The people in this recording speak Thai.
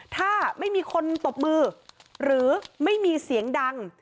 ถ้าไม่มีคนตบมือหรือไม่มีเสียงดัง